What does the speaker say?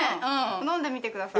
飲んでみてください。